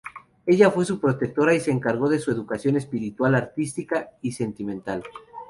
Ella fue su protectora y se encargó de su educación espiritual, artística y sentimental.